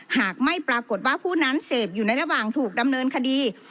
หากไม่ปรากฏว่าผู้นั้นเสพอยู่ในระหว่างถูกดำเนินคดี